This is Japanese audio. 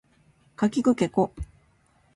かきくけこ